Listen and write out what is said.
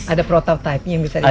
ada prototipe yang bisa dijadikan